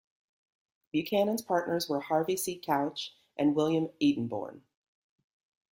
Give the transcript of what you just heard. Buchanan's partners were Harvey C. Couch and William Edenborn.